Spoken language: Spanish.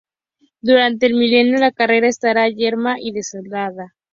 Durante el milenio, la tierra estará yerma y desolada.